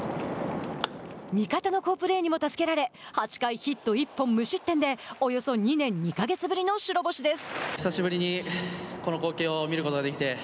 味方の好プレーにも助けられ８回ヒット１本、無失点でおよそ２年２か月ぶりの白星です。